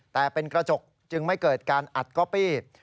แต่เป็นกระจกจึงไม่เกิดการอัดก๊อปปี้